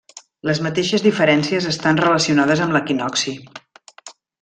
Les mateixes diferències estan relacionades amb l'equinocci.